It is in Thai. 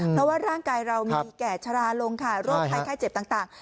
เพราะว่าร่างกายเรามีแก่ชะลาลงค่ะโรคภัยไข้เจ็บต่าง